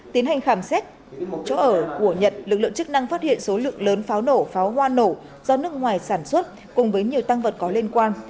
tiến hành khám xét chỗ ở của nhật lực lượng chức năng phát hiện số lượng lớn pháo nổ pháo hoa nổ do nước ngoài sản xuất cùng với nhiều tăng vật có liên quan